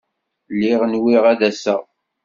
Lliɣ nwiɣ ad d-taseḍ.